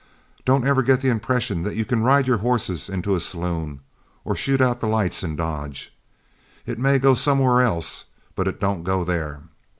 Don't ever get the impression that you can ride your horses into a saloon, or shoot out the lights in Dodge; it may go somewhere else, but it don't go there.